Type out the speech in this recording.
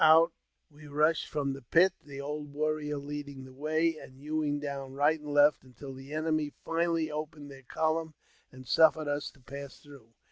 Out we rushed from the pit, the old warrior leading the way, and hewing down right and left, until the enemy finally opened their column and suffered us to pass through.